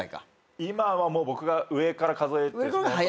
今はもう僕が上から数えて３番目とかですね。